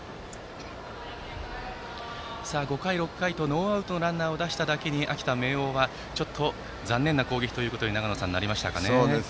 ５回、６回とノーアウトのランナーを出しただけに秋田・明桜はちょっと残念な攻撃になりましたかね、長野さん。